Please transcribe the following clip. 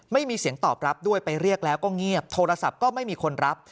ไม่มีเสียงตอบรับด้วยไปเรียกแล้วก็เงียบโทรศัพท์ก็ไม่มีคนรับ